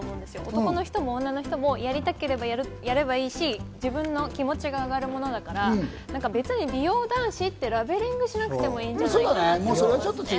男の人も女の人もやりたければやればいいし、自分の気持ちが上がるものだから、別に美容男子ってラベリングしなくてもいいんじゃないかと。